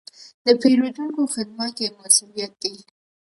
د پیرودونکو خدمت یو مسوولیت دی.